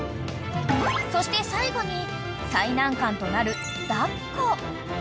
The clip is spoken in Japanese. ［そして最後に最難関となる抱っこ］